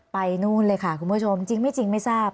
นู่นเลยค่ะคุณผู้ชมจริงไม่จริงไม่ทราบ